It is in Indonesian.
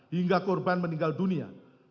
hingga korban meninggal dunia